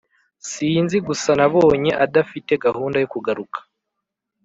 sinzi gusa nabonye adafite gahunda yo kugaruka